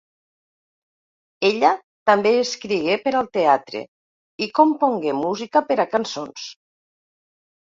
Ella també escrigué per al teatre i compongué música per a cançons.